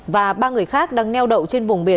và ba người khác đang neo đậu trên vùng biển